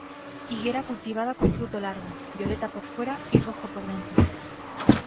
Higuera cultivada con fruto largo, violeta por fuera y rojo por dentro.